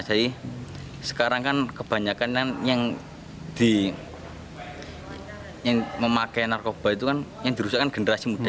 sekarang kan kebanyakan yang memakai narkoba itu kan yang dirusak kan generasi muda